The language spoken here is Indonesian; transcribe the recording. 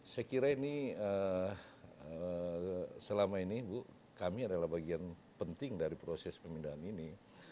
saya kira ini selama ini bu kami adalah bagian penting dari proses pemindahan ini